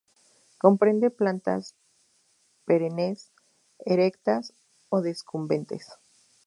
Comprende plantas perennes, erectas o decumbentes.